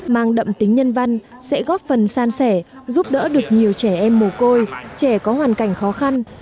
mang đậm tính nhân văn sẽ góp phần san sẻ giúp đỡ được nhiều trẻ em mồ côi trẻ có hoàn cảnh khó khăn